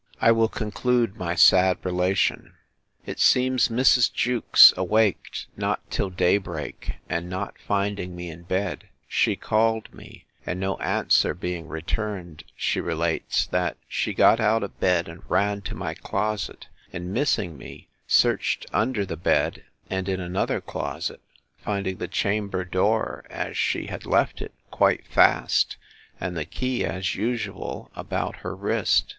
I will conclude my sad relation. It seems Mrs. Jewkes awaked not till day break; and not finding me in bed, she called me; and, no answer being returned, she relates, that she got out of bed, and ran to my closet; and, missing me, searched under the bed, and in another closet, finding the chamber door as she had left it, quite fast, and the key, as usual, about her wrist.